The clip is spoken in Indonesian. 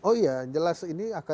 oh iya jelas ini akan